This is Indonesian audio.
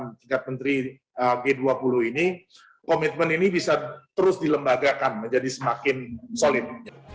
di tingkat menteri g dua puluh ini komitmen ini bisa terus dilembagakan menjadi semakin solid